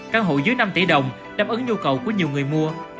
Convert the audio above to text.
căn hộ dưới năm tỷ đồng đáp ứng nhu cầu của nhiều người mua